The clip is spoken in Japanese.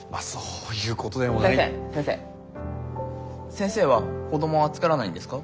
先生は子どもは作らないんですか？